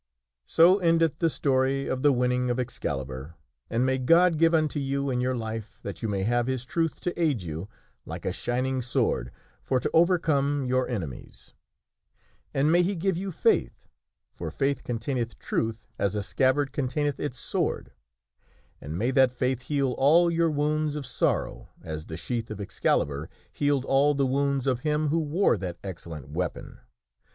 So endeth the story of the winning of Excalibur, and may God give unto you in your life, that you may have His truth to aid you, like a shining sword, for to overcome your enemies ; and may He give you Faith (for Faith containeth Truth as a scabbard containeth its sword), and may that Faith heal all your wounds of sorrow as the sheath of Excalibur healed all the wounds of him who wore that excellent weapon.